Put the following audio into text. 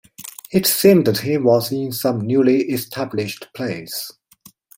It seemed he was in some newly established place.